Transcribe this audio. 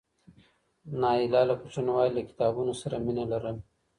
نایله له کوچنیوالي له کتابونو سره مینه لرله.